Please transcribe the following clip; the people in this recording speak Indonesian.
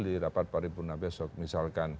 di rapat paripurna besok misalkan